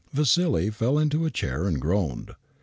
Vassili fell into a chair ard groaned.